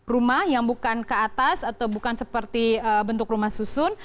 rumah yang bukan ke atas atau bukan seperti bentuk rumah susun